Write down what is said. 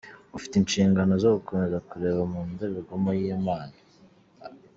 Ufite inshingano zo gukomeza kureba mu ndorerwamo y'Imana.